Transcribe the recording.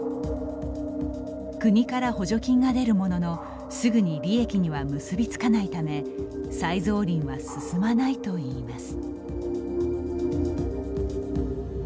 国から補助金が出るもののすぐに利益には結び付かないため再造林は進まないといいます。